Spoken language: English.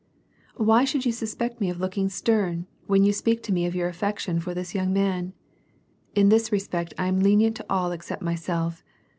Why should you suspect me of looking stern, when you speak to me of your affection for the young jnan ? In this re spect, I am lenient to all except myself.